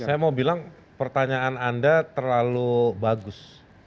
saya mau bilang pertanyaan anda terlalu bagus